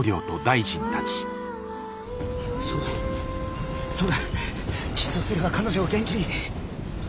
そうだそうだキスをすれば彼女を元気に。